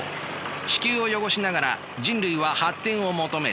地球を汚しながら人類は発展を求める。